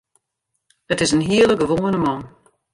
It is in hiele gewoane man.